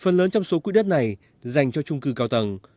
phần lớn trong số quỹ đất này dành cho trung cư cao tầng